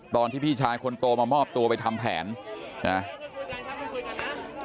ตอนที่พี่ชายคนโตมามอบตัวไปทำแผนนะฮะคุยกันนะคุยกันนะ